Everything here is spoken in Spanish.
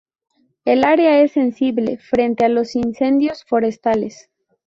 El área es sensible frente a los incendios forestales.